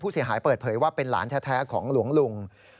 เสียหายเปิดเผยว่าเป็นหลานแท้ของหลวงลุง